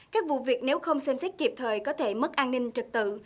các vụ việc nếu không xem xét kịp thời có thể mất an ninh trật tự